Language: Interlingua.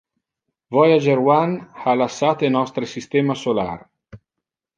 Voyager One ha lassate nostre systema solar.